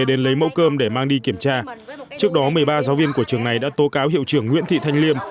đến lấy mẫu cơm để mang đi kiểm tra trước đó một mươi ba giáo viên của trường này đã tố cáo hiệu trưởng nguyễn thị thanh liêm